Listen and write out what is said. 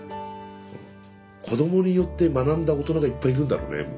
子どもによって学んだ大人がいっぱいいるんだろうね。